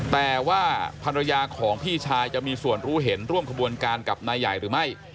แต่ว่าภรรยาของพี่ชายจะมีส่วนรู้เห็นร่วมขบวนการกับนายใหญ่หรือไม่